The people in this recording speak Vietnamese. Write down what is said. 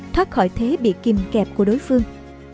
thoát khỏi thế bị kim kẹp của đối phương